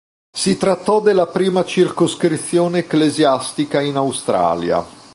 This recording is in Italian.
Si trattò della prima circoscrizione ecclesiastica in Australia.